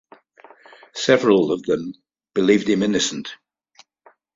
Several of them believed him innocent.